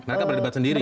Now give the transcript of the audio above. mereka berdebat sendiri